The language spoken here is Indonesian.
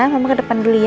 mama ke depan dulu ya